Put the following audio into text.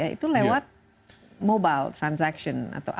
itu lewat mobile transaction atau apa